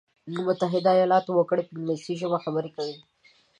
د متحده ایلاتو وګړي په انګلیسي ژبه خبري کوي.